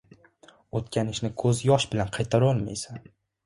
• O‘tgan ishni ko‘z yosh bilan qaytarolmaysan.